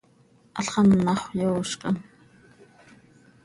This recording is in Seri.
Halx anàxö yoozcam.